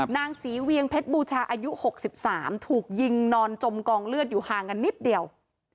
นางศรีเวียงเพชรบูชาอายุ๖๓ถูกยิงนอนจมกองเลือดอยู่ห่างกันนิดเดียว